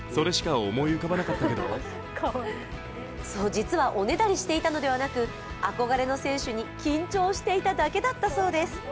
実は、おねだりしていたのではなく、憧れの選手に緊張していただけだったそうです。